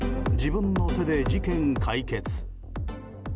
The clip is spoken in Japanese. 自分の手で事件解決」。